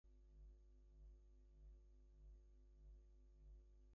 The score has been described as either lounge or exotica music.